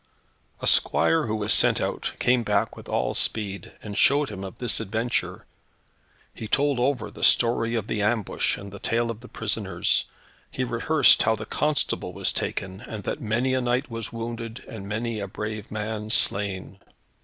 A squire who was sent out, came back with all speed, and showed him of this adventure. He told over the story of the ambush, and the tale of the prisoners. He rehearsed how the constable was taken, and that many a knight was wounded, and many a brave man slain.